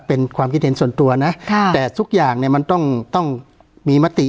เป็นความคิดเห็นส่วนตัวนะค่ะแต่ทุกอย่างเนี่ยมันต้องต้องมีมติ